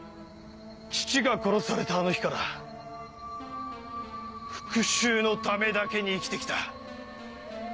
父が殺されたあの日から復讐のためだけに生きて来た。